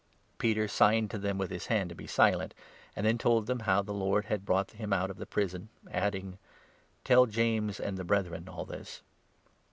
Peter signed to 17 them with his hand to be silent, and then told them how the Lord had brought him out of the prison, adding : "Tell James and the Brethren all this."